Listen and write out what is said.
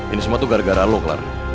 ini semua gara gara kamu clark